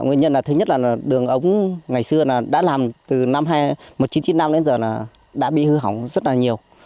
nguyên nhân là thứ nhất là đường ống ngày xưa đã làm từ năm một nghìn chín trăm chín mươi năm đến giờ là đã bị hư hỏng rất là nhiều